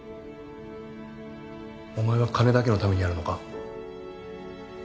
お前は金だけのためにやるのか？